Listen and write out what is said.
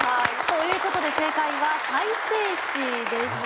という事で正解は再生紙でした。